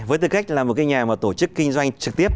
với tư cách là một nhà tổ chức kinh doanh trực tiếp